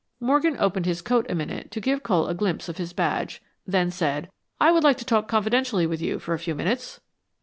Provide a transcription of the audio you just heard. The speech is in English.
Morgan opened his coat a minute to give Cole a glimpse of his badge; then said, "I would like to talk confidentially with you for a few minutes."